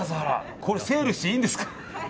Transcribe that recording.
これ、セールしていいんですか。